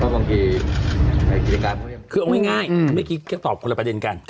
บางทีคือเอาง่ายเมื่อกี้แค่ตอบคนละประเด็นกัน